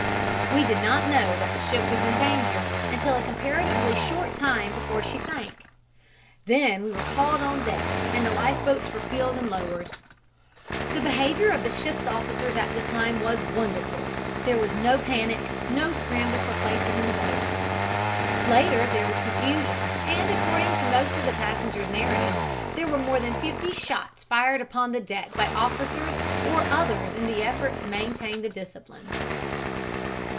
"We did not know that the ship was in danger until a comparatively short time before she sank. Then we were called on deck and the life boats were filled and lowered. "The behavior of the ship's officers at this time was wonderful. There was no panic, no scramble for places in the boats." Later there was confusion, and according to most of the passengers' narratives, there were more than fifty shots fired upon the deck by officers or others in the effort to maintain the discipline.